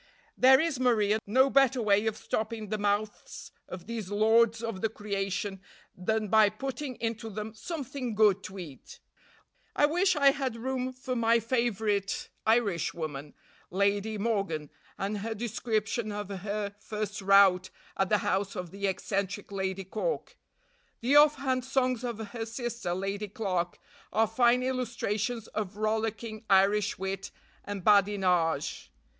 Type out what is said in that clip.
"There is, Maria, no better way of stopping the mouths of these lords of the creation than by putting into them something good to eat." I wish I had room for my favorite Irishwoman, Lady Morgan, and her description of her first rout at the house of the eccentric Lady Cork. The off hand songs of her sister, Lady Clarke, are fine illustrations of rollicking Irish wit and badinage.